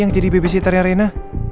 yang jadi bbc teri arena